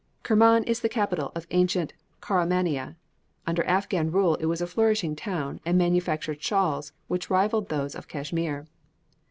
Kerman is the capital of ancient Karamania. Under the Afghan rule it was a flourishing town, and manufactured shawls which rivalled those of Cashmere.